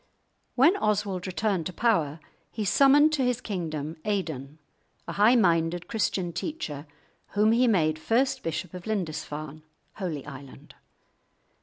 When Oswald returned to power he summoned to his kingdom Aidan, a high minded Christian teacher, whom he made first bishop of Lindisfarne (Holy Island).